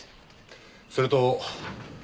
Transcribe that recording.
それと。